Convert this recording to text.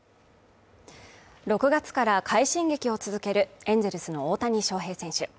６月から快進撃を続けるエンゼルスの大谷翔平選手